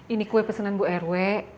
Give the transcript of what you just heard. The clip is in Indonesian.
ini kue pesanan bu rw